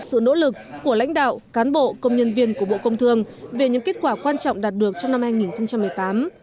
sự nỗ lực của lãnh đạo cán bộ công nhân viên của bộ công thương về những kết quả quan trọng đạt được trong năm hai nghìn một mươi tám